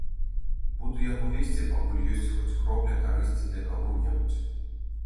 Буду яго весці, пакуль ёсць хоць кропля карысці для каго-небудзь.